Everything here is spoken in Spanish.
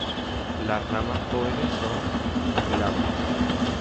Las ramas jóvenes son glabras.